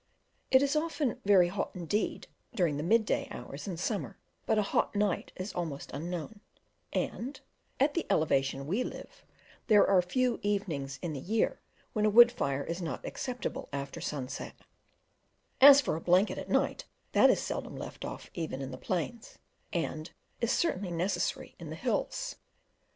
It is often very hot indeed during the mid day hours in summer, but a hot night is almost unknown; and, at the elevation we live, there are few evenings in the year when a wood fire is not acceptable after sunset; as for a blanket at night, that is seldom left off even in the plains, and is certainly necessary in the hills.